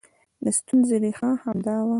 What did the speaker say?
د ستونزې ریښه همدا وه